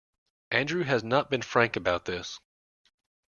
Andrew has not been frank about this.